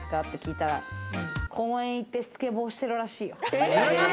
って聞いたら、公園行って、スケボーしてるらしいよ。